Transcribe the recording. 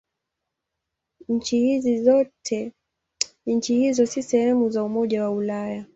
Nchi hizo si sehemu za Umoja wa Ulaya.